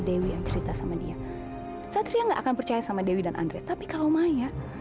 dewi yang cerita sama dia satria nggak akan percaya sama dewi dan andre tapi kalau maya